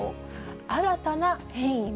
新たな変異も。